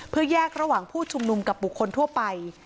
เพื่อแยกระหว่างผู้ชุมนุมกับบุคคลทั่วไป